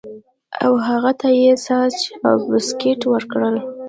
او هغه ته یې ساسج او بسکټ ورکړل